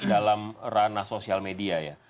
dalam ranah sosial media ya